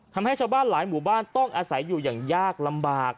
ทำให้ชาวบ้านหลายหมู่บ้านต้องอาศัยอยู่อย่างยากลำบาก